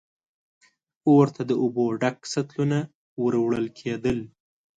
اور ته د اوبو ډک سطلونه ور وړل کېدل.